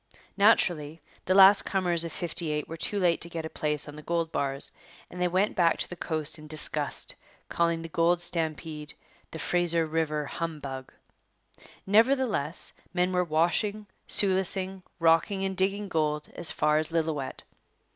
Naturally, the last comers of '58 were too late to get a place on the gold bars, and they went back to the coast in disgust, calling the gold stampede 'the Fraser River humbug.' Nevertheless, men were washing, sluicing, rocking, and digging gold as far as Lillooet.